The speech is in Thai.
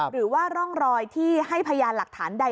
หรือว่าร่องรอยที่ให้พยานหลักฐานใด